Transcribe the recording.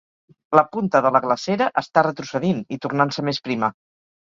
La punta de la glacera està retrocedint i tornant-se més prima.